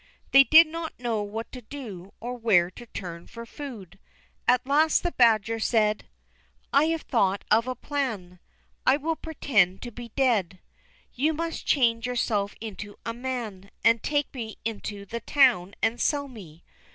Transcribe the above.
They did not know what to do, or where to turn for food. At last the badger said: "I have thought of a plan. I will pretend to be dead. You must change yourself into a man, and take me into the town and sell me.